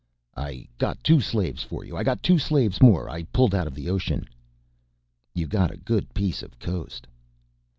"I got two slaves for you. I got two slaves more I pulled out of the ocean." "You got a good piece coast."